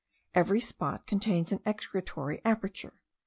Every spot contains an excretory aperture.